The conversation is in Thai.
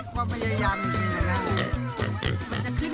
ความพยายามมีมีละนะ